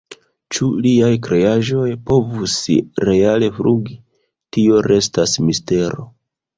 Ĉu liaj kreaĵoj povus reale flugi, tio restas mistero.